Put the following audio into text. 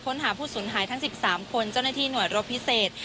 ค้นหาผู้สูญหายทั้ง๑๓คนเจ้าหน้าที่หน่วยรบพิเศษ